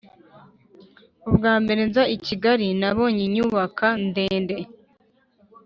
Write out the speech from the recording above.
ubwa mbere nza i kigali nabonye inyubaka ndende.